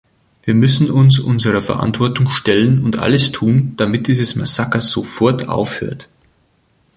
Wir müssen uns unserer Verantwortung stellen und alles tun, damit dieses Massaker sofort aufhört.